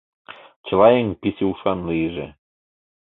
Чыла еҥ писе ушан лийже.